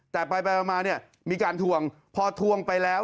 แต่ไปมาเนี่ยมีการทวงพอทวงไปแล้ว